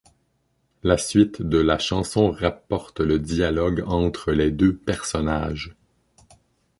La suite de la chanson rapporte le dialogue entre les deux personnages.